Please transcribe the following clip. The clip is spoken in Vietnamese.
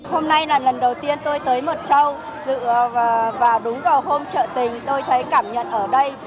hôm nay là lần đầu tiên tôi tới mộc châu và đúng vào hôm trợ tình tôi thấy cảm nhận ở đây